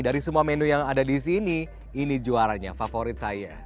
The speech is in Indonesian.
dari semua menu yang ada di sini ini juaranya favorit saya